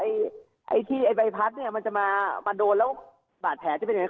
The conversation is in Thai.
ไอ้ที่ไอ้ใบพัดเนี่ยมันจะมาโดนแล้วบาดแผลจะเป็นยังไง